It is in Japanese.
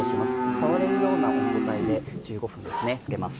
触れるような温度帯で１５分つけます。